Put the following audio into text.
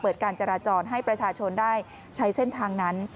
การจราจรให้ประชาชนได้ใช้เส้นทางนั้น